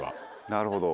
なるほど。